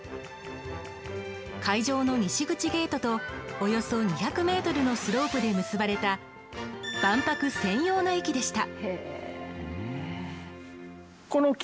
会場の西口ゲートとおよそ２００メートルのスロープで結ばれた万博専用の駅でした。